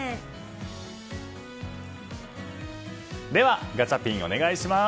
ではガチャピン、お願いします。